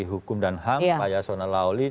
hukum dan ham pak yasona lawli